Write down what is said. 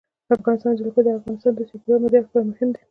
د افغانستان جلکو د افغانستان د چاپیریال د مدیریت لپاره مهم دي.